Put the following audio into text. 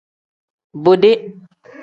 Bode.